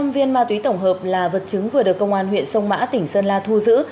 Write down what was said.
một hai trăm linh viên ma túy tổng hợp là vật chứng vừa được công an huyện sông mã tỉnh sơn la thu giữ